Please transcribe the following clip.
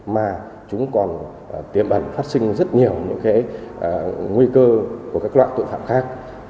mà chúng còn tiềm ẩn phát sinh rất nhiều những nguy cơ của các loại tội phạm khác